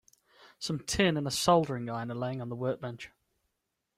Some tin and a soldering iron are laying on the workbench.